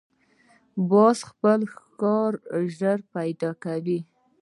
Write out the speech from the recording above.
باز خپل ښکار ژر پیدا کوي